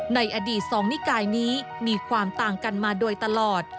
ในอดีตสองนิกายนี้มีความต่างกันมาโดยตลอด